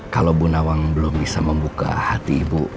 kalau bu nawang belum bisa membuka hati ibu